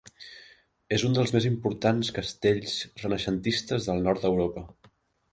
És un dels més important castells renaixentistes del Nord d'Europa.